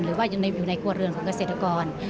หรือว่าอยู่ในกวดเรือนของเกษตรกร